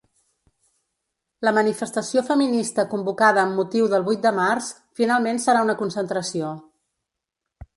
La manifestació feminista convocada amb motiu del vuit de març finalment serà una concentració.